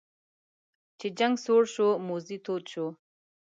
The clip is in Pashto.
چې جنګ سوړ شو موذي تود شو.